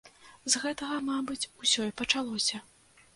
З гэтага, мабыць, усё і пачалося.